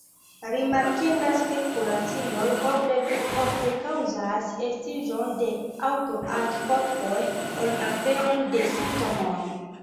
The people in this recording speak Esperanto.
Rimarkindas ke kuraciloj oble pli ofte kaŭzas estiĝon de aŭtoantikorpoj ol aperon de simptomoj.